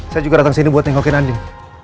saya juga dateng sini buat tengokin andin